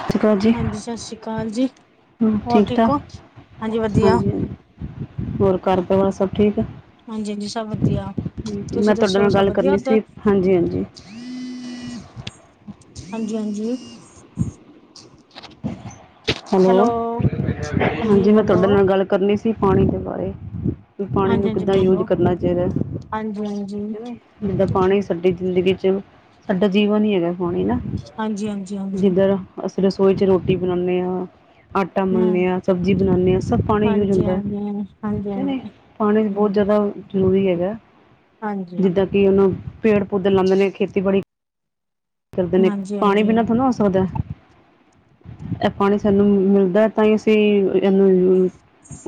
ਸਤਿ ਸ਼੍ਰੀ ਅਕਾਲ ਜੀ ਹਾਂਜੀ ਸਤਿ ਸ੍ਰੀ ਅਕਾਲ ਜੀ ਹੋਰ ਠੀਕ ਹੋ ਹਾਂਜੀ ਵਧੀਆ ਹਾਂਜੀ ਹਾਂਜੀ ਹੋਰ ਕਰ ਪ ਹੋਣਾ ਸਭ ਠੀਕ ਹਾਂਜੀ ਹਾਂਜੀ ਸਭ ਵਧੀਆ ਤੁਸੀਂ ਮੈਂ ਤੁਹਾਡੇ ਦੱਸੋ ਨਾਲ ਸਭ ਗੱਲ ਵਧੀਆ ਕਰਨੀ ਉੱਧਰ ਸੀ ਹਾਂਜੀ ਹਾਂਜੀ ਹਾਂਜੀ ਹਾਂਜੀ ਹੈਲੋ ਹਾਂਜੀ ਮੈਂ ਤੁਹਾਡੇ ਨਾਲ ਗੱਲ ਕਰਨੀ ਸੀ ਪਾਣੀ ਦੇ ਬਾਰੇ ਵੀ ਪਾਣੀ ਹਾਂਜੀ ਨੂੰ ਹਾਂਜੀ ਕਿੱਦਾਂ ਯੂਜ ਬੋਲੋ ਕਰਨਾ ਚਾਹੀਦਾ ਹੈ ਹਾਂਜੀ ਹਾਂਜੀ ਨਾ ਜਿੱਦਾਂ ਪਾਣੀ ਸਾਡੀ ਜ਼ਿੰਦਗੀ ਚ ਸਾਡਾ ਜੀਵਨ ਹੀ ਹੈਗਾ ਪਾਣੀ ਨਾ ਹਾਂਜੀ ਹਾਂਜੀ ਹਾਂਜੀ ਜਿੱਧਰ ਅਸੀਂ ਰਸੋਈ ਚ ਰੋਟੀ ਬਣਾਉਦੇ ਹਾਂ ਆਟਾ ਹਮ ਮਿਲਦੇ ਹਾਂ ਸਬਜ਼ੀ ਬਣਾ ਉਂਦੇ ਹਾਂ ਸਭ ਪਾਣੀ ਯੂਜ ਹਾਂਜੀ ਹੁੰਦਾ ਹਾਂਜੀ ਹਾਂਜੀ ਕਹਿੰਦੇ ਹਾਂਜੀ ਪਾਣੀ ਹਮ ਬਹੁਤ ਜ਼ਿਆਦਾ ਜ਼ਰੂਰੀ ਹੈਗਾ ਹਾਂਜੀ ਜਿੱਦਾਂ ਕਿ ਉਹਨੂੰ ਪੇੜ ਪੌਦੇੇ ਲਾਉਦੇ ਨੇ ਖੇਤੀਬੜੀ ਕਰਦੇ ਨੇ ਹਾਂਜੀ ਪਾਣੀ ਹਾਂਜੀ ਹਾਂਜੀ ਪੀਣਾ ਥੋੜ੍ਹਾ ਹੋ ਸਕਦਾ ਪਾਣੀ ਸਾਨੂੰ ਮਿਲਦਾ ਤਾਂ ਹੀ ਅਸੀਂ ਇਹਨੂੰ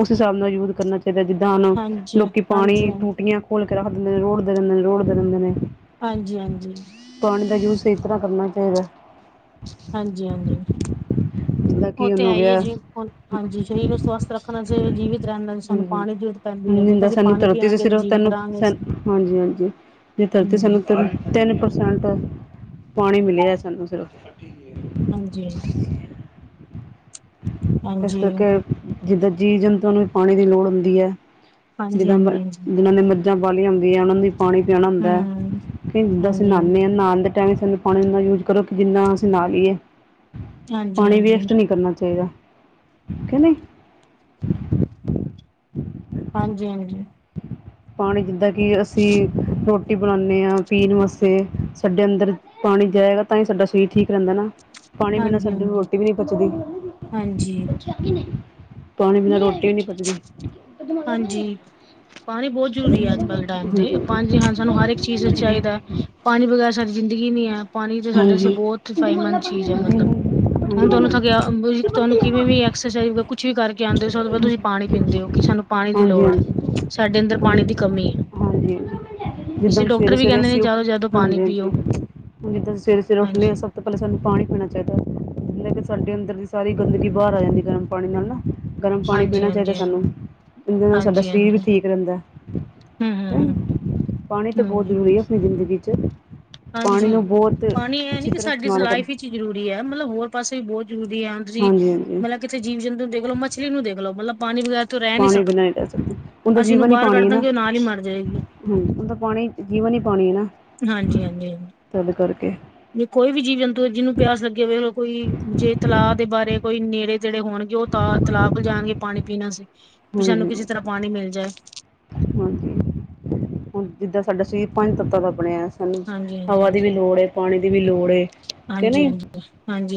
ਉਸ ਹਿਸਾਬ ਨਾਲ ਯੂਜ ਕਰਨਾ ਚਾਹੀਦਾ ਜਿੱਦਾਂ ਹੁਣ ਲੋਕੀ ਹਾਂਜੀ ਹਾਂਜੀ ਪਾਣੀ ਟੂਟੀਆਂ ਖੋਲ ਕੇ ਰੱਖ ਦਿੰਦੇ ਨੇ ਰੋਡ ਦੇ ਦਿੰਦੇ ਨੇ ਰੋਡ ਦੇ ਦਿੰਦੇ ਨੇ ਹਾਂਜੀ ਹਾਂਜੀ ਪਾਣੀ ਦਾ ਯੂਜ ਸ ਇਸ ਤਰ੍ਹਾਂ ਕਰਨਾ ਚਾਹੀਦਾ ਹਾਂਜੀ ਹਾਂਜੀ ਜਿੱਦਾਂ ਉਹ ਕਿ ਹੁਣ ਤੇ ਹੋ ਹੈ ਹੀ ਹੈ ਗਿਆ ਜੀ ਹਾਂਜੀ ਸਰੀਰ ਨੂੰ ਸਵਸਥ ਰੱਖਣਾ ਚਾਹੀ ਜੀਵਤ ਹ ਨਿੰਦਾ ਸਾਨੂੰ ਪਾਣੀ ਤਰਤੀ ਸੀ ਪੀਆਂਗੇ ਸਿਰਫ ਜੀਵਿਤ ਤੈਨੂੰ ਸ ਰਹਾਂਗੇ ਹਾਂਜੀ ਹਾਂਜੀ ਜ ਧਰਤੀ ਹਮ ਸਾਨੂੰ ਤ ਤਿੰਨ ਪਰਸੈਂਟ ਪਾਣੀ ਮਿਲੀ ਹੈ ਸਾਨੂੰ ਸਿਰਫ ਹਾਂਜੀ ਹ ਇਸ ਹਾਂਜੀ ਕਰਕੇ ਜਿੱਦਾਂ ਜੀਵ ਜੰਤੂਆਂ ਨੂੰ ਵੀ ਪਾਣੀ ਦੀ ਲੋੜ ਹੁੰਦੀ ਹੈ ਹਾਂਜੀ ਹਾਂਜੀ ਜਿੱਦਾਂ ਹਾਂਜੀ ਜਿਨਾਂ ਨੇ ਬੀ ਹਉੁੰਦੀ ਹੈ ਉਹਨਾਂ ਦੀ ਪਾਣੀ ਪਿਆਣਾ ਹੁੰਦਾ ਹੈ ਹਮ ਕਿ ਜਿੱਦਾਂ ਅਸੀਂ ਹਾਂਜੀ ਨਾਨਦੇ ਹਾਂ ਨਉਣ ਦੇ ਟਾਈਮ ਸਾਨੂੰ ਪਾਣੀਨਾ ਯੂਜ ਕਰੋ ਕਿ ਜਿੰਨਾ ਅਸੀਂ ਨਾ ਲਈਏ ਹਾਂਜੀ ਹਾਂਜੀ ਪਾਣੀ ਹਾਂਜੀ ਵੇਸਟ ਨਹੀਂੀ ਕਰਨਾ ਚਾਹੀਦਾ ੀ ਕ ਨਹੀਂ ਹਾਂਜੀ ਹਾਂਜੀ ਪਾਣੀ ਜਿੱਦਾਂ ਕਿ ਅਸੀਂ ਰੋਟੀ ਰੋਟੀ ਬਣਾਉਂਦੇ ਹਾਂ ਪੀਣ ਵਾਸਤੇ ਸਾਡੇ ਅੰਦਰ ਪਾਣੀ ਜਾਏਗਾ ਤਾਂ ਹੀ ਸਾਡਾ ਸਰੀਰ ਠੀਕ ਰਹਿੰਦਾ ਨਾ ਪਾਣੀ ਬਿਨਾਂ ਹਾਂਜੀ ਸਾਡੇ ਹਾਂਜੀ ਰੋਟੀ ਵੀ ਨਹੀਂੀ ਪਚਦੀ ਹਾਂਜੀ ਪਾਣੀ ਬਿਨਾਂ ਰੋਟੀ ਵੀ ਨੀ ਪਜਦੀ ਹਾਂਜੀ ਪਾਣੀ ਬਹੁਤ ਜ਼ਰੂਰੀ ਹੈ ਅੱਜ ਕੱਲ ਦੇ ਟਾਈਮ ਤੇ ਹਾਂਜੀ ਪਾ ਜੀ ਹਾਂ ਸਾਨੂੰ ਹਰ ਇੱਕ ਚੀਜ਼ ਚਾਹੀਦਾ ਹੈ ਪਾਣੀ ਵਗ਼ੈਰਾ ਸਾਡੀ ਜ਼ਿੰਦਗੀ ਨੀ ਹੈ ਪਾਣੀ ਤਾਂ ਸਾਡੇ ਹਾਂਜੀ। ਹਾਂਜੀ ਬਹੁਤ ਹਾਂਜੀ ਫ਼ਾਇਦੇਮੰਦ ਹਾਂਜੀ। ਚੀਜ਼ ਹੈ ਮਤਲਬ ਹਾਂਜੀ ਹੁਣ ਤੁਹਾਨੂੰ ਥ ਤੁਹਾਨੂੰ ਕਿਵੇਂ ਵੀ ਐਕਸਰਸਾਇਜ ਵ ਕੁਛ ਵੀ ਕਰਕੇ ਆਉਂਦੇ ਉਸ ਤੋ ਬਾਦ ਤੁਸੀਂ ਪਾਣੀ- ਪਾਣੀ ਪੀਂਦੇ ਓ ਕੀ ਸਾਨੂੰ ਪਾਣੀ ਦੀ ਲੋੜ ਐ। ਹਾਂਜੀ ਸਾਡੇ ਅੰਦਰ ਪਾਣੀ ਹਾਂਜੀ ਦੀ ਕਮੀ ਏ। ਹਾਂਜੀ ਇਸ ਲਈ ਜਿੱਦਾਂ ਸਵੇਰੇ ਡਾਕਟਰ ਵੀ ਸਵੇਰੇ ਕੇਂਦੇ ਨੇ ਜਾਦਾ ਤੋਂ ਜਾਦਾ ਪਾਣੀ ਪੀਓ। ਜਿਦਾਂ ਸਵੇਰੇ ਸਵੇਰੇ ਉੱਠਣੇ ਆ ਹਾਂਜੀ ਸਭ। ਤਾਂ ਪੈਲੇ ਸਾਨੂੰ ਪਾਣੀ ਪੀਣਾ ਚਾਈਦਾ। ਜਿਨਾ ਕਿ ਸਾਡੇ ਅੰਦਰ ਦੀ ਸਾਰੀ ਗੰਦਗੀ ਬਾਰ ਆ ਜਾਂਦੀ ਗਰਮ ਪਾਣੀ ਨਾਲ ਨਾ। ਗਰਮ ਪਾਣੀ ਹਾਂਜੀ ਹਾਂਜੀ ਪੀਣਾ ਚਾਈਦਾ ਹਾਂਜੀ ਸਾਨੂੰ। ਏਦੇ ਨਾਲ ਸਾਡਾ ਸਰੀਰ ਹਾਂਜੀ-ਹਾਂਜੀ, ਵੀ ਠੀਕ ਰੇਂਦਾ। ਹੂੰ-ਹੂੰ, ਹੂੰ, ਹੂੰ ਪਾਣੀ ਤਾਂ ਹੂੰ ਬੋਤ ਹਾਂਜੀ। ਜ਼ਰੂਰੀ ਐ, ਆਪਣੀ ਜ਼ਿੰਦਗੀ 'ਚ। ਪਾਣੀ ਹਾਂਜੀ ਨੂੰ ਬਹੁਤ -ਪਾਣੀ ਏ ਨੀ ਅੱਛੀ ਕਿ ਤਰ੍ਹਾਂ ਸਾਡੀ ਇਸਤੇਮਾਲ ਕਰਨਾ ਲਾਈਫ ਵਿੱਚ- ਜ਼ਰੂਰੀ ਐ ਮਤਲਬ ਹੋਰ ਪਾਸੇ ਵੀ ਬੋਤ ਜ਼ਰੂਰੀ ਐ। ਹੁਣ ਤੁਸੀਂ ਹਾਂਜੀ ਹਾਂਜੀ ਮਲਬ- ਕਿੱਸੇ ਜੀਵ ਜੰਤੂ ਨੂੰ ਦੇਖ ਲੋ। ਮਛਲੀ ਨੂੰ ਦੇਖ ਲੋ ਮਲਬ ਪਾਣੀ ਵਗੈਰ- ਤੋਂ ਰੈ ਨੀ ਪਾਣੀ ਬਿਨਾਂ ਸਕਦੀ। ਨਹੀਂ ਰਹਿ ਸਕਦੇ ਉਹਦਾ ਅਸੀਂ ਓਨੂੰ ਬਾਰ ਕੱਢ ਹੈ ਨਾ ਦਾਂਗੇ ਓ ਨਾਲ ਈ ਮਰ ਜਏਗੀ। ਹੂੰ ਉਨਾਂ ਪਾਣੀ- ਪਾਣੀ ਜੀਵਨ ਈ ਪਾਣੀ ਏ ਨਾ। ਹਾਂਜੀ -ਹਾਂਜੀ -ਹਾਂਜੀ। ਤਦ ਕਰਕੇ। ਜੇ ਕੋਈ ਵੀ ਜੀਵ ਜੰਤੂ ਜਿਨੂੰ ਪਿਆਸ ਲੱਗੀ ਹੋਵੇ। ਕੋਈ ਜੇ ਤਲਾਅ ਦੇ ਬਾਰੇ ਕੋਈ ਨੇੜੇ ਤੇੜੇ ਹੋਣਗੇ ਓ- ਤ ਤਲਾ ਕੋ ਜਾਣਗੇ ਪਾਣੀ ਪੀਣਾ ਸੀ। ਵੀ ਸਾਨੂੰ ਹਾਂਜੀ ਕਿਸੇ ਤਰ੍ਹਾਂ ਪਾਣੀ ਮਿਲ ਜਾਏ। ਹਾਂਜੀ ਹੁਣ ਜਿੱਦਾਂ ਸਾਡਾ ਸਰੀਰ ਪੰਜ ਤੱਤਾਂ ਦਾ ਬਣਿਆ। ਸਾਨੂੰ ਹਵਾ ਹਾਂਜੀ-ਹਾਂਜੀ, ਦੀ ਵੀ ਲੋੜ ਏ। ਪਾਣੀ ਦੀ ਵੀ ਲੋੜ ਏ। ਕਿ ਹਾਂਜੀ ਨਹੀਂ -ਹਾਂਜੀ ਹਾਂਜੀ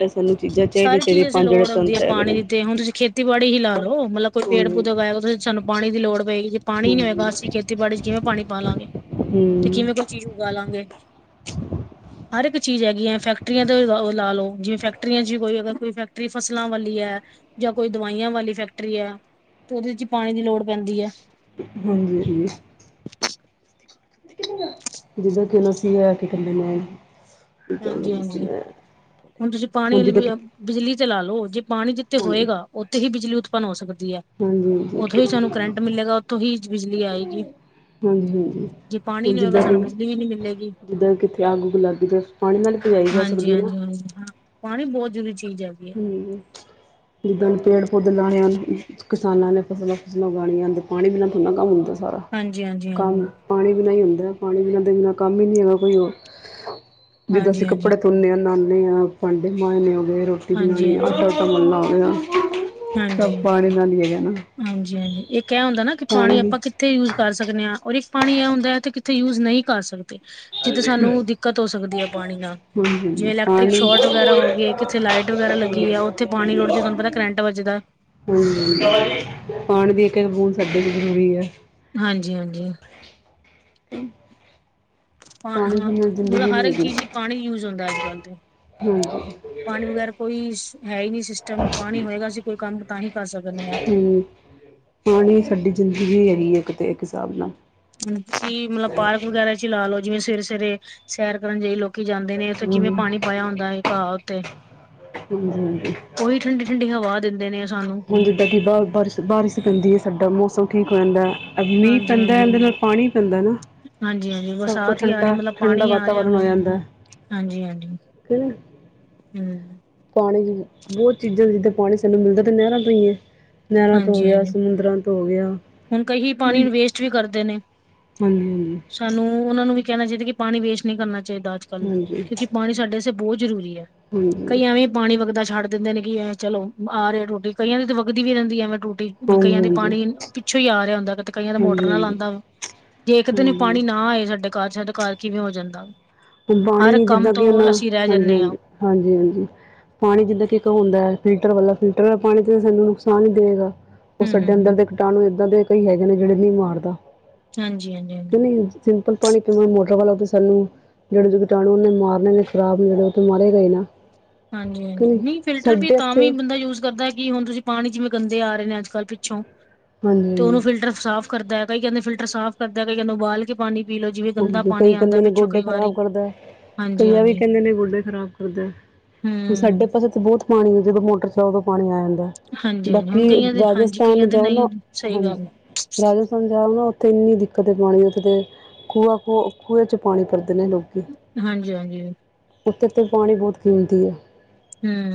ਇਹ ਸਾਨੂੰ ਚੀਜ਼ਾਂ ਚਾਹੀਦੀਆਂ ਸਾਰੀ ਚਾਹੀਦੀਆਂ ਚੀਜ਼ ਅਸੀ ਪੰਜ ਜਿਹੜੇ ਲੋੜ ਆਉਂਦੀ ਤੰਤ ਆ। ਹੈਗੇ ਪਾਣੀ ਨੇ ਦੀ ਤੇ ਹੁਣ ਤੁਸੀਂ ਖੇਤੀ- ਖੇਤੀਬਾੜੀ ਹੀ ਲਾ ਲੋ ਮਲਬ ਕੋਈ ਪੇੜ ਹਾਂਜੀ। ਪੌਦੇ ਉਗਾਏ ਓਦੇ ਲਈ ਸਾਨੂੰ ਪਾਣੀ ਦੀ ਲੋੜ ਪਏਗੀ। ਪਾਣੀ ਨੀ ਹੋਏਗਾ ਹਾਂਜੀ ਅਸੀਂ ਖੇਤੀਬਾੜੀ ਚ ਕਿਵੇਂ ਪਾਣੀ ਪਾ ਲਾਂਗੇ। ਤੇ ਹੂੰ ਕਿਵੇਂ ਕੋਈ ਚੀਜ਼ ਉਗਾ ਲਾਂਗੇ। ਹਰ ਇੱਕ ਚੀਜ਼ ਹੈਗੀ ਐ ਫੈਕਟਰੀਆਂ ਤੋਂ ਓ ਲਾ ਲੋ। ' ਜਿਵੇਂ ਫੈਕਟਰੀਆਂ 'ਚ ਵੀ ਕੋਈ ਅਗਰ ਕੋਈ ਫੈਕਟਰੀ ਫਸਲਾਂ ਵਾਲੀ ਐ। ਜਾਂ ਕੋਈ ਦਵਾਈਆਂ ਵਾਲੀ ਫੈਕਟਰੀ ਐ। ਤੇ ਉਦੇ 'ਚ ਪਾਣੀ ਦੀ ਲੋੜ ਪੈਂਦੀ ਐ। ਹਾਂਜੀ ਜੀ ਜਿੱਦਾਂ ਕਿਲ ਸੀ ਐ ਕੀ ਕੇਂਦੇ ਨੇ - ਕੀ ਕਹਿਣ ਹਾਂਜੀ ਲਗੀ ਸੀ ਹਾਂਜੀ ਮੈਂ। ਹੁਣ ਤੁਸੀਂ ਪਾਣੀ ਹੁਣ ਜਿੱਦਾਂ ਲਈ ਕਿ ਅ ਬਿਜਲੀ ਤੇ ਲਾ ਲਓ। ਜੇ ਪਾਣੀ ਜਿੱਥੇ ਹਾਂਜੀ ਹੋਏਗਾ ਓਥੇ ਹੀ ਬਿਜਲੀ ਉਤਪੰਨ ਹੋ ਸਕਦੀ ਐ। ਹਾਂਜੀ ਹਾਂਜੀ ਓਥੋਂ ਹੀ ਸਾਨੂੰ ਕਰੰਟ ਮਿਲੇਗਾ। ਓਥੋਂ ਹੀ ਬਿਜਲੀ ਆਏਗੀ। ਹਾਂਜੀ ਜੇ ਪਾਣੀ ਹੁਣ ਨੀ ਹੋਏਗਾ ਜਿੱਦਾਂ ਸਾਨੂੰ ਕਿ ਬਿਜਲੀ ਵੀ ਨੀ ਮਿਲੇਗੀ। ਜਿੱਦਾਂ ਕਿੱਥੇ ਅੱਗ ਉੱਗ ਲੱਗ ਜਾਏ। ਪਾਣੀ ਨਾਲ ਭਜਾਈ ਜਾ ਹਾਂਜੀ ਸਕਦੀ ਏ ਨਾ। ਹਾਂਜੀ ਹਾਂਜੀ ਹਾਂ ਪਾਣੀ ਬਹੁਤ ਜਰੂਰੀ ਚੀਜ ਏ। ਹੂੰ ਜਿੱਦਾਂ ਪੇੜ ਪੌਦੇੇ ਲਾਣੇ ਹਨ। ਕਿਸਾਨਾਂ ਨੇ ਫਸਲਾਂ- ਫਸਲਾਂ ਉਗਾਣੀਆਂ ਹਨ ਤੇ ਪਾਣੀ ਬਿਨਾਂ ਥੋੜ੍ਹਾ ਨਾ ਕੰਮ ਹੁੰਦਾ। ਹਾਂਜੀ ਹਾਂਜੀ [unintelligible] ਹਾਂਜੀ ਕੰਮ ਪਾਣੀ ਬਿਨਾ ਹੀ ਹੁੰਦਾ ਪਾਣੀ ਬਿਨਾਂ ਦੇ ਬਿਨਾ ਕੰਮ ਹੀ ਨਹੀ ਹੈਗਾ ਕੋਈ ਉਹ ਜਿੱਦਾਂ ਅਸੀਂ ਹਾਂਜੀ ਹਾਂਜੀ ਹਾਂਜੀ ਕੱਪੜੇ ਧੋਨੇ ਆਂ, [unintelligible] ਭਾਂਡੇ ਮਾਂਜਨੇ ਹੋ ਗਏ, ਰੋਟੀ ਬਣਾਣੀ, ਹਾਂਜੀ ਆਟਾ- ਉਟਾ ਮਲਣਾ ਹੋਵੇ ਨਾ। ਹਾਂਜੀ ਹਾਂਜੀ ਹਾਂਜੀ ਇਹ ਕਹਿ ਹੁੰਦਾ ਨਾ ਕਿ ਪਾਣੀ ਆਪਾਂ ਕਿ ਕਿੱਥੇ ਯੂਜ ਕਰ ਸਕਦੇ ਆਂ। ਔਰ ਇੱਕ ਪਾਣੀ ਐ ਹੁੰਦਾ ਹੈ ਤੇ ਕਿੱਥੇ ਯੂਜ ਨਈ ਕਰ ਸਕਦੇ। ਜਿੱਥ ਹਾਂਜੀ ਸਾਨੂੰ ਦਿੱਕਤ ਹੋ ਸਕਦੀ ਐ ਪਾਣੀ ਨਾ ਹਾਂਜੀ ਜਿਵੇਂ ਇਲੈਕਟ੍ਰਿਕ ਪਾਣੀ ਸ਼ੋਰਟ ਵਗੈਰਾ ਹੋ ਗਏ। ਕਿੱਥੇ ਲਾਈਟ ਵਗੈਰਾ ਲੱਗੀ ਆ ਓਥੇ ਪਾਣੀ ਰੋੜ ਜੇ ਤੁਆਨੂੰ ਪਤਾ ਕਰੰਟ ਵੱਜਦਾ। ਹੂੰ ਪਾਣੀ ਦੀ ਇੱਕ ਇੱਕ ਬੂੰਦ ਸਾਡੇ ' ਲਈ ਜ਼ਰੂਰੀ ਆ। ਹਾਂਜੀ ਹਾਂਜੀ ਪਾ ਪਾਣੀ ਹਾਂ ਬਿਨਾਂ ਜ਼ਿੰਦਗੀ ਮਲਬ ਹਰ ਨਹੀਂ ਇੱਕ ਹੈਗੀ ਚੀਜ਼ ਲੀ ਪਾਣੀ ਯੂਜ ਹੁੰਦਾ ਅਜ ਕੱਲ ਤੇ। ਹਾਂਜੀ ਪਾਣੀ ਵਗੈਰਾ ਕੋਈ ਹੈ ਈ ਨੀ ਸਿਸਟਮ। ਪਾਣੀ ਹੋਏਗਾ ਅਸੀਂ ਕੋਈ ਕੰਮ ਤਾਂ ਹੀ ਕਰ ਸਕਨੇ ਆਂ। ਹੂੰ ਪਾਣੀ ਸਾਡੀ ਜ਼ਿੰਦਗੀ ਹੈਗੀ ਏ ਇੱਕ ਤੇ ਇੱਕ ਸਾਬ ਨਾਲ। ਜੀ ਮਲਬ ਪਾਰਕ ਵਗੈਰਾ 'ਚ ਈ ਲਾ ਲੋ। ਜਿਵੇਂ ਸਵੇਰੇ ਸਵੇਰੇ ਸੈਰ ਕਰਨ ਜਾਈ ਲੋ- ਜਾਂਦੇ ਨੇ ਓਥੇ ਕਿਵੇਂ ਹਮ ਪਾਣੀ ਪਾਇਆ ਹੁੰਦਾ ਏ ਘਾਹ ਉੱਤੇ। ਹਾਂਜੀ ਹਾਂਜੀ ਓਈ ਠੰਢੀ ਠੰਡੀ ਹਵਾ ਦਿੰਦੇ ਨੇ ਸਾਨੂੰ। ਹੁਣ ਜਿੱਦਾਂ ਕਿ ਬ ਬਾਰਿਸ਼ ਬਾਰਿਸ਼ ਪੈੱਦੀ ਹੈ ਸਾਡਾ ਮੌਸਮ ਠੀਕ ਹੋ ਜਾਂਦਾ ਮੀਂਹ ਹਾਂਜੀ ਪੈਂਦਾ ਹਾਂਜੀ ਉਹਦੇ ਨਾਲ ਪਾਣੀ ਪੈਂਦਾ ਨਾ ਹਾਂਜੀ ਹਾਂਜੀ ਸਭ ਕੁਛ ਬਰਸਾਤ ਹੀ ਆ ਰਹੀ ਠੰਡਾ ਮਤਲਬ ਠੰਡਾ ਪਾਣੀ ਆ ਰਿਹਾ ਵ ਵਾਤਾਵਰਨ ਹੋ ਜਾਂਦਾ ਹਾਂਜੀ ਹਾਂਜੀ ਹੈ ਨਾ ਹੂੰ ਪਾਣੀ ਬਹੁਤ ਚੀਜ਼ਾਂ ਜਿੱਦਾਂ ਪਾਣੀ ਸਾਨੂੰ ਮਿਲਦਾ ਤੇ ਨਹਿਰਾਂ ਤੋਂ ਹੀ ਹੈ ਨਹਿਰਾਂ ਤੋਂ ਹੋ ਹਾਂਜੀ ਗਿਆ ਹਾਂਜੀ ਸਮੁੰਦਰਾਂ ਤੋਂ ਹੋ ਗਿਆ ਹੁਣ ਕਈ ਪਾਣੀ ਨੂੰ ਵੇਸਟ ਵੀ ਕਰਦੇ ਨੇ ਹਾਂਜੀ ਹਾਂਜੀ ਸਾਨੂੰ ਉਹਨਾਂ ਨੂੰ ਵੀ ਕਹਿਣਾ ਚਾਹੀਦਾ ਕਿ ਪਾਣੀ ਵੇਸਟ ਨਹੀਂ ਕਰਨਾ ਚਾਹੀਦਾ ਅੱਜ ਕੱਲ੍ਹ ਹਾਂਜੀ ਕਿਉਂਕਿ ਪਾਣੀ ਸਾਡੇ ਬਹੁਤ ਜ਼ਰੂਰੀ ਹੈ ਹਾਂਜੀ ਹਾਂਜੀ ਹਾਂਜੀ ਕਈ ਐਵੇਂ ਪਾਣੀ ਵਗਦਾ ਛੱਡ ਦਿੰਦੇ ਨੇ ਕਿ ਇਹਂ ਚਲੋ ਆ ਰਿਹਾ ਟੂਟੀ ਕਈਆਂ ਦੀ ਵਗਦੀ ਵੀ ਰਹਿੰਦੀ ਹੈਵੇੈਂ ਟੂਟੀ ਵੀ ਹਾਂਜੀ ਕਈਆਂ ਦੇ ਹਾਂਜੀ ਪਾਣੀ ਪਿੱਛੋਂ ਹੀ ਆ ਰਿਹਾ ਹੁੰਦੈ ਕਈਆਂ ਦਾ ਮੋਟਰ ਨਾਲ ਹਾਂਜੀ ਆਂਦਾ ਜੇ ਇੱਕ ਦਿਨ ਹਾਂਜੀ ਪਾਣੀ ਨਾ ਆਏ ਸਾਡੇ ਘਰ ਚ ਸਾਡੇ ਘਰ ਕਿਵੇਂ ਹੋ ਜਾਂਦਾ ਹਰ ਪਾਣੀ ਕੰਮ ਜਿੱਦਾਂ ਤੋਂ ਕਿ ਉਹਨਾ ਅਸੀਂ ਰਹਿ ਹਾਂਜੀ ਜਾਂਦੇ ਹਾਂਜੀ ਹਾਂ ਹਾਂਜੀ ਹਾਂਜੀ ਪਾਣੀ ਜਿੱਦਾਂ ਕਿ ਇੱਕ ਹੁੰਦਾ ਹੈ ਫਿਲਟਰ ਵਾਲਾ ਫਿਲਟਰ ਵਾਲਾ ਪਾਣੀ ਤੇ ਸਾਨੂੰ ਨੁਕਸਾਨ ਹੀ ਦੇਵੇਗਾ ਉਹ ਹੂੰ ਹੂੰ ਸਾਡੇ ਅੰਦਰ ਹੂੰ ਦੇ ਕੀਟਾਣੂ ਏਦਾਂ ਦੇ ਕਈ ਹੈਗੇ ਨੇ ਜਿਹੜੇ ਨਹੀਂ ਮਾਰਦਾ ਹਾਂਜੀ ਹਾਂਜੀ ਕਿ ਹਾਂਜੀ ਨਹੀਂ ਸਿੰਪਲ ਪਾਣੀ ਕਿਵੇਂ ਮੋਟਰ ਵਾਲਾ ਤੇ ਸਾਨੂੰ ਜਿਹੜੇ ਜੋ ਕੀਟਾਣੂ ਉਹਨ ਨੇ ਮਾਰਨੇ ਨੇ ਖਰਾਬ ਨੇ ਜਿਹੜੇ ਉਹ ਤੇ ਮਾਰੇ ਗਏ ਨਾ ਹਾਂਜੀ ਕਿ ਹਾਂਜੀ ਨਹੀਂ ਫਿਲਟਰ ਵੀ ਸਾਡੇ ਤਾਂ ਇੱਥੇ ਵੀ ਬੰਦਾ ਯੂਜ ਕਰਦਾ ਕੀ ਹੁਣ ਤੁਸੀਂ ਪਾਣੀ ਜਿਵੇਂ ਗੰਦੇ ਆ ਰਹੇ ਨੇ ਅੱਜ ਕੱਲ੍ਹ ਪਿੱਛੋਂ ਹਾਂਜੀ ਤੇ ਉਹਨੂੰ ਫਿਲਟਰ ਸਾਫ਼ ਕਰਦਾ ਹੈ ਕਈ ਕਹਿੰਦੇ ਫਿਲਟਰ ਸਾਫ਼ ਕਰਦੈ ਕਈ ਕਹਿੰਦੇ ਉਬਾਲ ਕੇ ਪਾਣੀ ਪੀ ਲੋ ਜੇ ਹਾਂਜੀ ਕਈ ਕਹਿੰਦੇ ਨੇ ਗੋਡੇ ਖਰਾਬ ਕਰਦਾ ਹਾਂਜੀ ਕਈਆਂ ਵੀ ਹਾਂਜੀ ਕਹਿੰਦੇ ਨੇ ਗੋਡੇ ਖਰਾਬ ਕਰਦਾ ਹੁਣ ਸਾਡੇ ਹੂੰ ਪਾਸੇ ਤਾਂ ਬਹੁਤ ਪਾਣੀ ਹੈ ਜਦੋਂ ਮੋਟਰ ਚਲਾਓ ਉਦੋਂ ਪਾਣੀ ਆ ਜਾਂਦੈ ਹਾਂਜੀ-ਹਾਂਜੀ ਹੁਣ ਬਾਕੀ ਕਈਆਂ ਦੇ ਹਾਂਜੀ ਕਈਆਂ ਰਾਜਸਥਾਨ ਦੇ ਜਾਓ ਨਹੀਂ ਨਾ ਹੁੰਦੀ, ਸਹੀ ਗੱਲ ਹਾਂਜੀ ਹੈ ਰਾਜਸਥਾਨ ਜਾਓ ਨਾ ਤੇ ਇੰਨੀ ਦਿੱਕਤ ਹੈ ਪਾਣੀ ਉੱਥੇ ਦੇ ਖੂਆ ਖੂ ਖੂਹੇ 'ਚ ਪਾਣੀ ਭਰਦੇ ਨੇ ਲੋਕ ਹਾਂਜੀ ਹਾਂਜੀ ਉੱਥੇ ਤੇ ਪਾਣੀ ਬਹੁਤ ਕੀਮਤੀ ਐ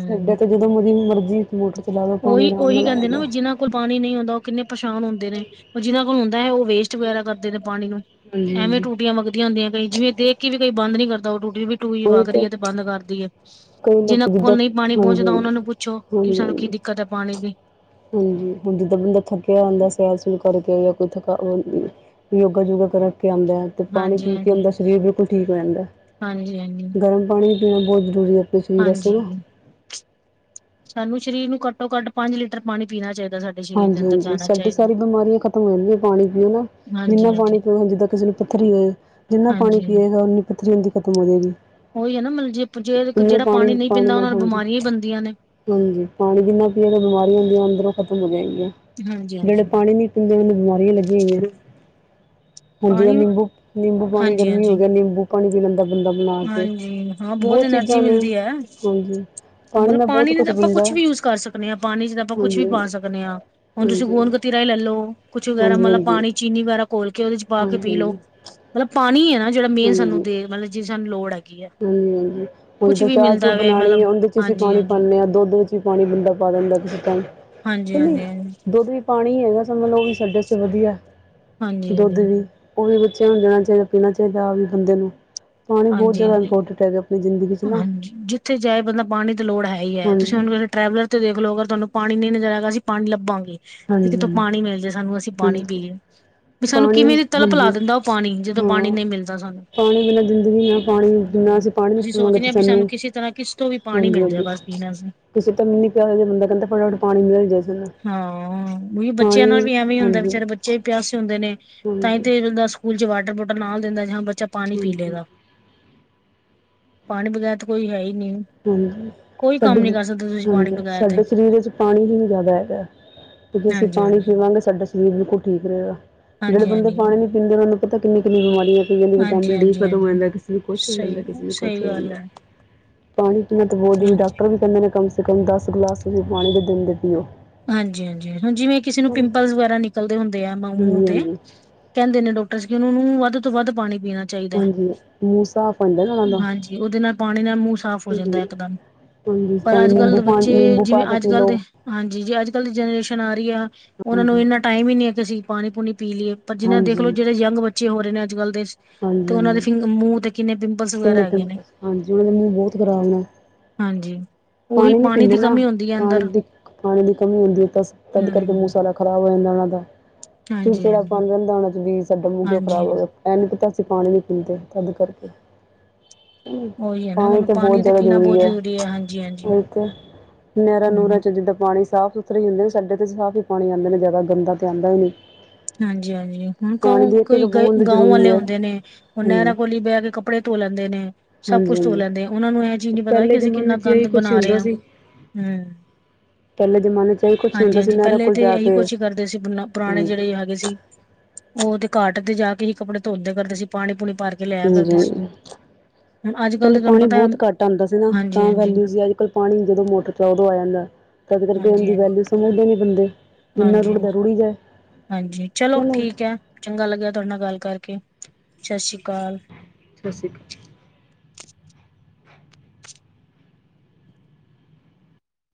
ਸਾਡੇ ਤੇ ਜਦੋਂ ਮਰੀ ਮਰਜ਼ੀ ਮੋਟਰ ਚਲਾ ਲਓ ਪਾਣੀ ਉਹੀ ਆਰਾਮ ਉਹੀ ਨਾਲ ਆ ਕਹਿੰਦੇ ਨਾ ਜਾਂਦਾ। ਵੀ ਜਿਨਾਂ ਕੋਲ ਪਾਣੀ ਨਹੀਂ ਹੁੰਦਾ ਉਹ ਕਿੰਨੇ ਪੇਸ਼ਾਨ ਹੁੰਦੇ ਨੇ ਜਿਹਨਾਂ ਕੋਲ ਹੁੰਦੈ ਉਹ ਵੇਸਟ ਵਗੈਰਾ ਕਰਦੇ ਨੇ ਪਾਣੀ ਨੂੰ ਹਾਂਜੀ ਐਵੇਂ ਹਾਂਜੀ ਟੂਟੀਆਂ ਵਗਦੀਆਂ ਹੁੰਦੀਆਂ ਕਈ ਜਿਵੇਂ ਦੇਖ ਕੇ ਵੀ ਕਈ ਬੰਦ ਨੀ ਕਰਦਾ ਉਹ ਟੂਟੀ ਵੀ ਟੂਈ ਉਹੀ ਵਗਰੀ ਤਾਂ ਏ ਤੇ ਬੰਦ ਕਰਦੀ ਏ ਕਈ ਜਿਹਨਾਂ ਲੋਕ ਕੋਲ ਜਿੱਦਾਂ ਨਹੀਂ ਪਾਣੀ ਹਾਂਜੀ ਪਹੁੰਚਦਾ ਹਾਂਜੀ ਉਹਨਾਂ ਨੂੰ ਪੁੱਛੋ ਕਿ ਹਾਂਜੀ ਸਾਨੂੰ ਕੀ ਹਾਂਜੀ ਦਿੱਕਤ ਹੈ ਪਾਣੀ ਦੀ ਹਾਂਜੀ ਹੁਣ ਜਿੱਦਾਂ ਬੰਦਾ ਥੱਕਿਆ ਹੁੰਦਾ ਸੈਰ ਸੂਲ ਕਰਕੇ ਜਾਂ ਕੋਈ ਥਕਾ ਯੋਗਾ ਯੋਗਾ ਕਰਕੇ ਆਂਦੈ। ਤੇ ਪਾਣੀ ਪੀ ਕੇ ਹਾਂਜੀ-ਹਾਂਜੀ ਉਹਦਾ ਸਰੀਰ ਬਿਲਕੁਲ ਠੀਕ ਰਹਿੰਦੈ, ਹਾਂਜੀ-ਹਾਂਜੀ ਹਾਂਜੀ ਗਰਮ ਪਾਣੀ ਪੀਣਾ ਬਹੁਤ ਜ਼ਰੂਰੀ ਹੈ ਆਪਣੇ ਸਰੀਰ ਵਾਸਤੇ ਨਾ ਹਾਂਜੀ ਸਾਨੂੰ ਸਰੀਰ ਨੂੰ ਘੱਟੋ ਘੱਟ ਪੰਜ ਲੀਟਰ ਪਾਣੀ ਪੀਣਾ ਚਾਹੀਦੈ ਸਾਡਾ ਹਾਂਜੀ ਹਾਂਜੀ ਸਾਡੀ ਸਾਰੀ ਬਿਮਾਰੀਆਂ ਖਤਮ ਹੋ ਜਾਂਦੀਆਂ ਪਾਣੀ ਪੀਣ ਨਾਲ ਜਿੰਨਾ ਹਾਂਜੀ-ਹਾਂਜੀ ਪਾਣੀ ਪੀਵਾਂਗੇ ਜਿੱਦਾਂ ਕਿਸੇ ਨੂੰ ਪੱਥਰੀ ਹੋਏ ਜਿੰਨਾ ਪਾਣੀ ਹਾਂਜੀ ਹਾਂਜੀ ਪੀਏਗਾ ਓਨੀ ਪੱਥਰੀ ਉਹਦੀ ਖਤਮ ਹੋ ਜਾਏਗੀ ਉਹੀ ਹੈ ਨਾ ਮਤਬ ਜੇ ਜੇ ਇੰਨਾ ਜਿਹੜਾ ਪਾਣੀ ਨਹੀਂ ਪੀਂਦਾ ਉਹ ਨਾਲ ਨੂੰ ਹਾਂਜੀ ਬਿਮਾਰੀਆਂ ਹੀ ਬਣਦੀਆਂ ਨੇ ਹਾਂਜੀ ਪਾਣੀ ਜਿੰਨਾ ਪੀਣ ਵਾਲ ਬਿਮਾਰੀਆਂ ਉਹਨੀਆਂ ਅੰਦਰੋਂ ਖ਼ਤਮ ਹੋ ਜਾਏਗੀਆਂ ਹਾਂਜੀ ਜਿਹੜੇ ਹਾਂਜੀ ਪਾਣੀ ਨੀਂ ਪੀਂਦੇ ਉਹਨੂੰ ਬਿਮਾਰੀਆਂ ਲੱਗੀਆਂ ਹੋਈਆਂ ਹਾਂ ਜੀ ਪਾਣੀ ਨਿੰਬੂ ਨਿੰਬੂ ਪਾਣੀ ਹਾਂਜੀ ਗਰਮੀ ਹੋ ਹਾਂਜੀ ਗਿਆ ਨਿੰਬੂ ਪਾਣੀ ਪੀ ਲੈਂਦਾ ਬੰਦਾ ਬਣਾ ਕੇ ਹਾਂਜੀ ਹਾਂ ਬਹੁਤ ਐਨਰਜੀ ਚੀਜ਼ਾਂ ਨੇ ਮਿਲਦੀ ਹੈ ਹਾਂਜੀ ਮਤਲਬ ਨਾਲ ਪਾਣੀ ਬਹੁਤ ਨੇ ਤਾਂ ਆਪਾਂ ਬਣਦਾ ਕੁਛ ਹੈ। ਵੀ ਯੂਜ ਕਰ ਸਕਦੇ ਹਾਂ ਪਾਣੀ ਚ ਤਾਂ ਆਪਾਂ ਕੁੱਛ ਹਾਂਜੀ ਵੀ ਪਾ ਸਕ ਦੇ ਹਾਂ ਹੁਣ ਤੁਸੀਂ ਹਾਂਜੀ ਹਾਂਜੀ ਗੁੰਦਕਤੀਰਾ ਹੀ ਲੈਲੋ ਕੁੱਛ ਵਗੈਰਾ ਹਾਂਜੀ ਮਤਲਬ ਹਾਂਜੀ ਪਾਣੀ ਚੀਨੀ ਵਗੈਰਾ ਖੋਲ ਕੇ ਉਹਦੇ ਵਿੱਚ ਪਾ ਕੇ ਪੀ ਹਾਂਜੀ ਲੋਓ ਮਤਲਬ ਪਾਣੀ ਹੈ ਨਾ ਜਿਹੜਾ ਮੇਨ ਹਾਂਜੀ ਸਾਨੂੰ ਦੇ ਮਤਲਬ ਜਿ ਸਾਨੂੰ ਲੋੜ ਹੈਗੀ ਹੈ ਹਾਂਜੀ ਹਾਂਜੀ ਹੁਣ ਕੁਛ ਤੇ ਵੀ ਚਾਹ ਚੂ ਮਿਲਦਾ ਵੇ ਬਣਾਣੀ ਹੋਏ ਤੇ ਮਤਲਬ ਉਹਦੇ ਚ ਅਸੀਂ ਹਾਂਜੀ ਪਾਣੀ ਹਾਂਜੀ ਪਾਉਂਦੇ ਹਾਂ ਦੁੱਧ ਵਿੱਚ ਪਾਣੀ ਬੰਦਾ ਪਾ ਦਿੰਦਾ ਕਿਸੇ ਤ ਹਾਂਜੀ ਕਹਿੰਦੀ ਹਾਂਜੀ ਹਾਂਜੀ ਦੁੱਧ ਵੀ [unintelligible] ਪਾਣੀ ਹੈਗਾ ਸ ਮਨ ਲਓ ਵੀ ਸਾਡੇ ਆਸਤੇ ਵਧੀਐ ਹਾਂਜੀ ਦੁੱਧ ਵੀ ਉਹ ਵੀ ਬੱਚਿਆਂ ਨੂੰ ਦੇਣਾ ਚਾਹੀਦਾ ਪੀਣਾ ਚਾਹੀਦੈ ਆ ਵੀ ਬੰਦੇ ਨੂੰ ਪਾਣੀ ਬਹੁਤ ਹਾਂਜੀ ਜ਼ਿਆਦਾ ਹਾਂਜੀ ਇੰਪੋਰਟੈਂਟ ਹੈਗਾ ਜ਼ਿੰਦਗੀ 'ਚ ਨਾ ਹਾਂਜੀ, ਜਿੱਥੇ ਜਾਏ ਬੰਦਾ ਪਾਣੀ ਦੀ ਲੋੜ ਹੈ ਈ ਐ ਤੁਸੀਂ ਹਾਂਜੀ ਉਹਨੁ ਟਰੈਵਲਰ ਤੇ ਦੇਖ ਲੋ ਅਗਰ ਤੁਹਾਨੂੰ ਪਾਣੀ ਨੀ ਨਜਰ ਆਏਗਾ ਅਸੀਂ ਪਾਣੀ ਲੱਭਾਂਗੇ। ਤੇ ਹਾਂਜੀ ਕਿਥੋਂ ਹਾਂਜੀ ਪਾਣੀ ਮਿਲ ਜੇ ਸਾਨੂੰ ਅਸੀਂ ਹਾਂਜੀ ਪਾਣੀ ਪੀਏ। ਵੀ ਸਾਨੂੰ ਪਾਣੀ ਕਿਵੇਂ ਦੀ ਤਲਪ ਹਾਂਜੀ ਲਾ ਦਿੰਦਾ ਉਹ ਪਾਣੀ ਜਦੋਂ ਪਾਣੀ ਹਾਂ ਨਈ ਮਿਲਦਾ ਸਾਨੂੰ। ਪਾਣੀ ਬਿਨਾਂ ਜ਼ਿੰਦਗੀ ਨਾ ਪਾਣੀ ਜਿੰਨਾ ਹਮ ਅਸੀਂ ਪਾਣੀ ਅਸੀਂ ਪੀਵਾਂਗੇ ਸੋਚਦੇ ਆ ਤਾਂ ਬਈ ਸਾਨੂੰ ਕਿਸੇ ਤਰ੍ਹਾਂ ਕਿਸ ਤੋਂ ਵੀ ਪਾਣੀ ਹਾਂਜੀ ਮਿਲ ਜਾਏ ਹਾਂਜੀ ਬਸ ਪੀਣਾ ਸੀ। ਕਿਸੇ ਤਾਂ ਮਿਨੀ ਪਿਆ ਹੋ ਇਹੋ ਜਾ ਬੰਦਾ ਕਹਿੰਦਾ ਫਟਾਫਟ ਪਾਣੀ ਮਿਲ ਜਾਏ ਸਾਨੁ, ਹਾਂ ਵੀ ਬੱਚਿਆਂ ਪਾਣੀ ਨਾਲ ਵੀ ਐਵੇਂ ਹੀ ਹੁੰਦਾ ਹਾਂਜੀ। ਵਿਚਾਰੇ ਬੱਚੇ ਪਿਆਸੇ ਹੁੰਦੇ ਨੇ, ਤਾਂਈ ਤੇ ਹਾਂਜੀ ਬੰਦਾ ਸਕੂਲ ਚ ਵਾਟਰ ਬੋਟਲ ਨਾਲ ਦਿੰਦਾ ਜਾਂ ਬੱਚਾ ਪਾਣੀ ਪੀ ਲੇਗਾ। ਪਾਣੀ ਬਗੈਰ ਤਾਂ ਕੋਈ ਹੈ ਈ ਨੀ। ਹਾਂਜੀ, ਸਾਡੇ ਕਰ ਸਕਦੇ ਤੁਸੀਂ ਪਾਣੀ ਹਾਂਜੀ ਬਗੈਰ ਤੇ ਸਾਡੇ ਸਰੀਰ ਚ ਪਾਣੀ ਹੀ ਜੈਦਾ ਹੈਗਾ। ਕਿਉਂਕਿ ਅਸੀਂ ਹਾਂਜੀ ਪਾ ਹਾਂਜੀ ਪੀਵਾਂਗੇ ਸਾਡਾ ਸਰੀਰ ਬਿਲਕੁਲ ਠੀਕ ਰਹੇਗਾ ਜੇੜੇ ਹਾਂਜੀ ਬੰਦੇ ਹਾਂਜੀ ਪਾਣੀ ਨੀ ਪੀਂਦੇ ਉਨਾ ਨੂੰ ਪਤਾ ਕਿੰਨੀ-ਕਿੰਨੀ ਬਿਮਾਰੀ ਲਗ ਠਕਦੇ [unintelligible] ਹਾਂਜੀ ਵਿਟਾਮਿਨ ਡੀ ਹਾਂਜੀ ਖਤਮ ਹੋ ਹਾਂਜੀ ਜਾਂਦਾ ਕਿਸੇ ਨੂੰ ਕੁਛ ਹੋ ਜਾਂਦੈ, ਸਹੀ ਕਿਸੇ ਨੂੰ ਕੁਛ ਸਹੀ ਹੋ ਗੱਲ ਜਾਂਦੈ। ਹੈ ਪਾਣੀ ਪੀਣਾ ਤਾਂ ਬਹੁਤ ਜਰੂਰੀ, ਹਾਂਜੀ ਡਾਕਟਰ ਵੀ ਕੈਂਦੇ ਨੇ ਕਮ ਸੇ ਕਮ ਦਸ ਗਲਾਸ ਤੁਸੀਂ ਪਾਣੀ ਦੇ ਦਿਨ ਦੇ ਪੀਓ। ਹਾਂਜੀ-ਹਾਂਜੀ, ਹੁਨ ਜਿਵੇ ਕਿਸੇ ਨੂੰ ਹਾਂਜੀ ਪਿੰਪਲਸ ਵਗੈਰਾ ਨਿਕਲਦੇ ਹੁੰਦੇ ਆ ਮੳ ਮੂੰਹ ਤੇ। ਹਾਂਜੀ ਕਹਿੰਦੇ ਨੇ ਡਾਕਟਰਸ, ਕਿ ਉਹਨਾ ਨੂੰ ਵੱਧ ਤੋਂ ਵੱਧ ਪਾਣੀ ਪੀਣਾ ਚਾਈਦਾ, ਹਾਂਜੀ ਮੂੰਹ ਸਾਫ਼ ਹੁੰਦਾ ਨਾ ਉਹਨਾਂ ਦਾ ਹਾਂਜੀ, ਉਹਦੇ ਨਾਲ ਪਾਣੀ ਨਾਲ ਮੂੰਹ ਸਾਫ਼ ਹੋ ਜਾਂਦਾ ਹਾਂਜੀ ਇੱਕਦਮ। ਹਾਂਜੀ ਪਰ ਭਾਵੇਂ ਅੱਜ ਕੱਲ ਨਿੰਬੂ ਦੇ ਪਾ ਬੱਚੇ, ਨਿੰਬੂ ਜਿਵੇਂ ਪਾ ਕੇ ਅੱਜ ਪੀ ਕੱਲ ਲਓ ਦੇ, ਹਾਂ ਜੀ ਜੇ ਅੱਜ ਕੱਲ੍ਹ ਦੀ ਜਨਰੇਸ਼ਨ ਆ ਰਈ ਆ, ਉਹਨਾ ਨੂੰ ਹਾਂਜੀ ਇੰਨਾ ਟਾਈਮ ਈ ਨਈ ਕਿ ਅਸੀਂ ਪਾਣੀ ਪੂਣੀ ਪੀ ਲਿਏ। ਪਰ ਜਿਨਾ ਹਾਂਜੀ ਦੇਖਲੋ ਜੇੜੇ ਯੰਗ ਬੱਚੇ ਹੋ ਰਏ ਨੇ ਅੱਜ-ਕੱਲ ਦੇ। ਤੇ ਹਾਂਜੀ ਉਹਨਾਂ ਦੇ ਹਾਂਜੀ ਫਿੰਗ ਮੂੰਹ ਤੇ ਕਿੰਨੇ ਪਿੰਪਲਸ ਵਗੈਰਾ ਕਿੰਨੇ ਹੈਗੇ ਦਿਨ ਨੇ। ਤੋਂ ਹਾਂਜੀ ਉਹਨਾਂ ਦਾ ਮੂੰਹ ਬਹੁਤ ਖ਼ਰਾਬ ਨੇ ਹਾਂਜੀ। ਉਹੀ ਪਾਣੀ ਨੀ ਪੀਂਦੇ ਦੀ ਨਾ, ਕਮੀ ਹੁੰਦੀ ਹੈ ਪਾਣੀ ਅੰਦਰ ਦੀ, ਪਾਣੀ ਦੀ ਕਮੀ ਹੁੰਦੀ ਐ ਤਦ ਕਰਕੇ ਹਮ ਮੂਹ ਸਾਰਾ ਖ਼ਰਾਬ ਹੋ ਜਾਂਦਾ ਉਨਾਂ ਦਾ, ਹਾਂਜੀ-ਹਾਂਜੀ, ਚਿੜਚਿੜਾ ਪਣ ਰਹਿੰਦਾ ਉਹਨਾਂ ਚ ਬੀਜ ਸਾਡਾ ਮੂੰਹ ਕਿਓ ਹਾਂਜੀ ਖਰਾਬ ਹਾਂਜੀ ਹੋਯਾ, ਐ ਨੀ ਪਤਾ ਅਸੀ ਪਾਣੀ ਨੀ ਪੀਂਦੇ ਤਦ ਕਰਕੇ। ਉਹੀ ਹੈ ਨਾ ਪਾਣੀ ਮਤਲਬ ਤੇ ਬਹੁਤ ਜਿਆਦਾ ਪੀਣਾ ਜਰੂਰੀ ਬਹੁਤ ਐ। ਜ਼ਰੂਰੀ ਹਾਂਜੀ-ਹਾਂਜੀ। ਓਈਤੇ ਨੈਰਾਂ ਨੂਰਾਂ ਹੂੰ, ਚ ਜਿੱਦਾਂ ਪਾਣੀ ਸਾਫ਼ ਸੁਥਰੇ ਈ ਹੁੰਦੇ ਨੇ, ਸਾਡੇ ਤੇ ਸਾਫ ਈ ਪਾਣੀ ਆਂਦੇ ਨੇ, ਜੈਦਾ ਗੰਦਾ ਤੇ ਆਂਦਾ ਈ ਨੀ। ਹਾਂਜੀ-ਹਾਂਜੀ ਹੁਣ ਕ ਇੱਕ ਕੋਈ ਗ ਬੂੰਦ ਗਾਵਂ ਜ਼ਰੂਰੀ ਵਾਲੇ ਹੈ ਹੁੰਦੇ ਨੇ। ਔ ਹਾਂਜੀ ਨੈਰਾਂ ਕੋਲ ਈ ਬੈ ਕੇ, ਕੱਪੜੇ ਧੋ ਲੈਂਦੇ ਨੇ। ਸਭ ਹਾਂਜੀ ਕੁੱਛ ਧੋ ਹਾਂਜੀ ਲੈਂਦੇ, ਉਹਨਾਂ ਨੂੰ ਇਹ ਚੀਜ਼ ਨੀ ਪਤਾ ਕਿ ਪਹਿਲੇ ਅਸੀਂ ਜ਼ਮਾਨੇ ਕਿੰਨਾ ਚ ਗੰ ਇਹੀ ਕੁਛ ਬਣਾ ਰੇ ਹੁੰਦਾ ਆ, ਸੀ ਹੂੰ। ਪਹਿਲੇ ਜ਼ਮਾਨੇ ਚ ਇਹੀ ਕੁਛ ਹੁੰਦਾ ਸੀ ਹਾਂਜੀ-ਹਾਂਜੀ, ਨਹਿਰਾਂ ਪਹਿਲੇ ਕੋਲ ਤਾਂ ਜਾ ਇਹੀ ਕੇ ਕੁਛ ਈ ਕਰਦੇ ਸੀ ਪੁਰਾਣੇ ਹਾਂਜੀ ਜੇੜੇ ਅਸੀ, ਉਹ ਤੇ ਘਾਟ ਤੇ ਜਾ ਕੇ ਹੀ ਕੱਪੜੇ ਧੋਂਦੇ ਕਰਦੇ ਸੀ, ਪਾਣੀ ਪੂਣੀ ਭਰ ਕੇ ਲਿਆਇਆ ਹਾਂਜੀ, ਕਰਦੇ ਸੀ। ਹਾਂਜੀ, ਹੁਣ ਅੱਜ ਕੱਲ੍ਹ ਪਹਿਲੇ ਤਾਂ ਤੁਹਾਨੂੰ ਪਾਣੀ ਪਤਾ ਬਹੁਤ ਘੱਟ ਆਂਦਾ ਸੀ ਨਾ, ਤਾਂ ਹਾਂਜੀ-ਹਾਂਜੀ, ਵੈਲਊ ਸੀ ਅੱਜ ਕੱਲ ਪਾਣੀ ਜਦੋਂ ਮੋਟਰ ਚਾਓ ਉਦੋਂ ਆ ਜਾਂਦਾ, ਤਦ ਕਰਕੇ ਇਹਂਦੀ ਹਾਂਜੀ-ਹਾਂਜੀ। ਵੈਲਊ ਸਮਝਦੇ ਨੀ ਬੰਦੇ। ਜਿੰਨਾ ਰੁੜਦਾ ਰੁੜੀ ਜਾਏ। ਹਾਂਜੀ ਚਲੋ ਕਿ ਨਹੀਂ ਠੀਕ ਐ, ਚੰਗਾ ਲੱਗਿਆ ਤੁਆਡੇ ਨਾਲ ਗੱਲ ਕਰਕੇ, ਸਤਿ ਸ੍ਰੀ ਅਕਾਲ। ਸਤਿ ਸ੍ਰੀ ਅਕਾਲ